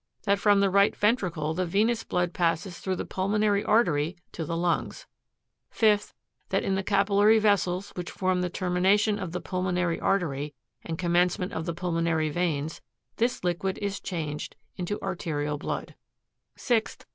That from the right ventricle the venous blood passes through the pulmonary artery to the lungs; 5th That in the capillary vessels, which form the termina tion of the pulmonary artery, and commencement of the pul monary veins, this liquid is changed into arterial blood ; 6th.